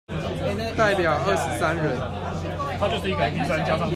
代表二十三人